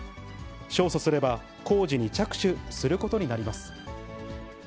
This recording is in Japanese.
勝訴すれば工事に着手することになります。